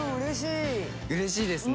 うれしいですね。